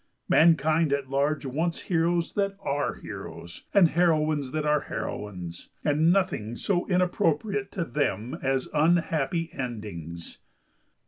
Mankind at large wants heroes that are heroes, and heroines that are heroines—and nothing so inappropriate to them as unhappy endings.